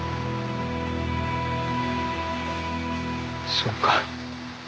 そうか。